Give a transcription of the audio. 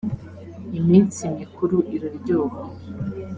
iminsi mikuru iraryoha.